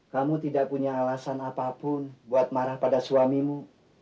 kamu tidak punya alasan apapun buat marah pada suamimu